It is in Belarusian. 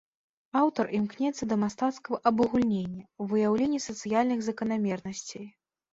Аўтар імкнецца да мастацкага абагульнення, выяўлення сацыяльных заканамернасцей.